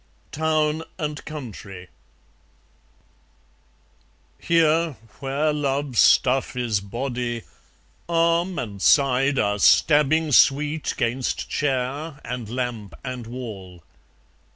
Town and Country Here, where love's stuff is body, arm and side Are stabbing sweet 'gainst chair and lamp and wall.